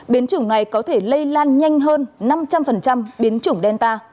biến chủng này có thể lây lan nhanh hơn năm trăm linh biến chủng delta